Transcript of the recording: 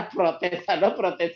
protesan atau protesan